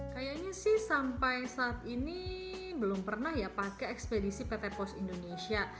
kayaknya sih sampai saat ini belum pernah ya pakai ekspedisi pt pos indonesia